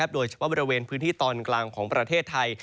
โดยเฉพาะบริเวณพื้นที่ตอนกลางของประเทศไทย